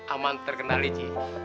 aman terkenal iji